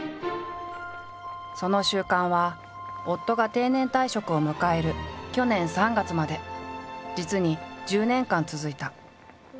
その習慣は夫が定年退職を迎える去年３月まで実に１０年間続いた。